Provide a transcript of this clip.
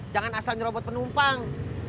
jangan asal nyerobot penumpang